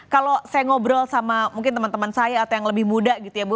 kalau saya ngobrol sama mungkin teman teman saya atau yang lebih muda gitu ya bu